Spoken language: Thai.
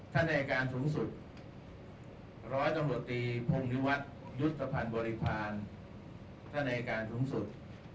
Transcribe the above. ท่านในอัยการฝุมสุด